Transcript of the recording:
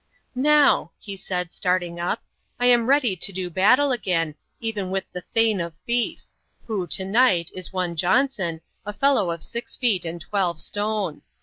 "Now," he said, starting up, "I am ready to do battle again, even with the Thane of Fife who, to night, is one Johnson, a fellow of six feet and twelve stone.